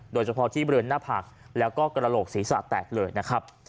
โดยเฉพาะที่บริเวณหน้าผากแล้วก็กระโหลกศีรษะแตกเลยนะครับ